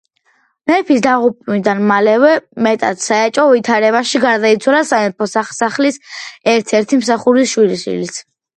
მეფის დაღუპვიდან მალევე, მეტად საეჭვო ვითარებაში გარდაიცვალა სამეფო სასახლის ერთ-ერთი მსახურის შვილიც.